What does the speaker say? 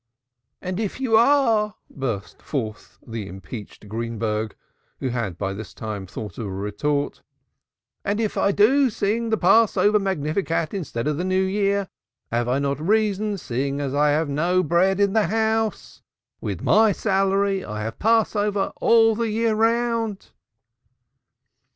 "And if you are!" burst forth the impeached Greenberg, who had by this time thought of a retort. "And if I do sing the Passover Yigdal instead of the New Year, have I not reason, seeing I have no bread in the house? With my salary I have Passover all the year round."